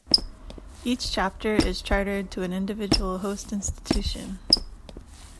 Each chapter is chartered to an individual host institution.